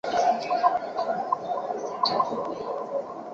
这个传闻令一众用家啧啧称奇！